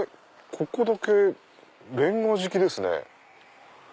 ここだけレンガ敷きですね。